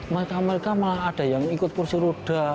mereka mereka malah ada yang ikut kursi roda